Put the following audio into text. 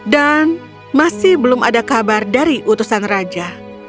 dan masih belum ada kabar dari utusan raja